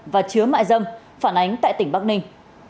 và chứa mại dâm phản ánh tại tỉnh bắc ninh